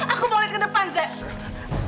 aku mau liat ke depan zed